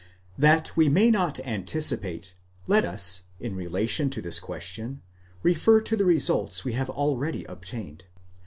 That we may not anticipate, let us, in relation to this question, refer to the results we have already obtained.